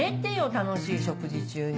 楽しい食事中に。